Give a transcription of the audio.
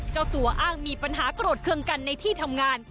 เจ้าตัวอ้างมีปัญหาโกรธเครื่องกันในที่ทำงาน